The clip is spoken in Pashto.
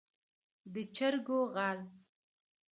د چرګو غل.